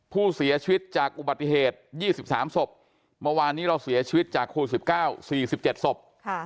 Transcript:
ผู้เสียชีวิตจากอุบัติเหตุ๒๓ศพเมื่อวานนี้เราเสียชีวิตจากโควิด๑๙๔๗ศพ